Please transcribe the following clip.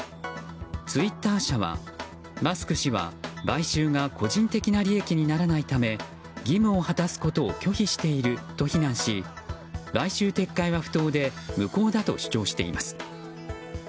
ツイッター社はマスク氏は買収が個人的な利益にならないため義務を果たすことを拒否していると非難し買収撤回は不当で無効だと主張しています。